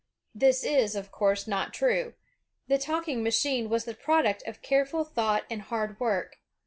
This is, of course, not true. The talking machine was the product of careful thought and hard work.